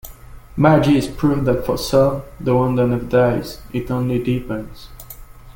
Magee is proof that for some, the wonder never dies, it only deepens.